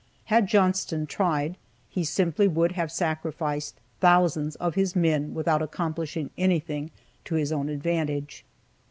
Had Johnston tried, he simply would have sacrificed thousands of his men without accomplishing anything to his own advantage.